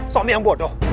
suami yang bodoh